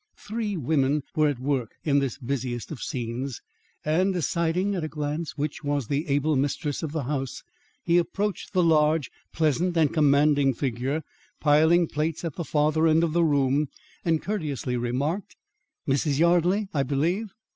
Three women were at work in this busiest of scenes, and, deciding at a glance which was the able mistress of the house, he approached the large, pleasant and commanding figure piling plates at the farther end of the room and courteously remarked: "Mrs. Yardley, I believe?"